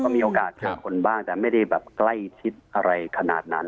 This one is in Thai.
มีโอกาสเจอคนบ้างแต่ไม่ได้แบบใกล้ชิดอะไรขนาดนั้น